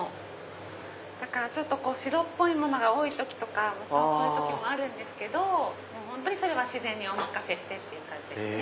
だから白っぽいものが多い時とかもちろんそういう時もあるんですけどそれは自然にお任せしてって感じですね。